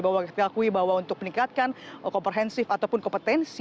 bahwa kita akui bahwa untuk meningkatkan komprehensif ataupun kompetensi